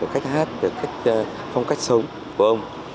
cách hát phong cách sống của ông